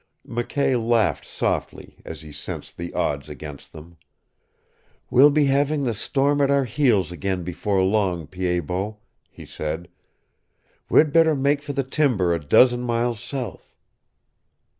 McKay laughed softly as he sensed the odds against them. "We'll be having the storm at our heels again before long, Pied Bot," he said. "We'd better make for the timber a dozen miles south."